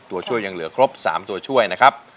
ตัวช่วยยังเหลือครบ๓ตัวช่วยนะครับ